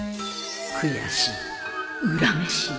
悔しい恨めしい。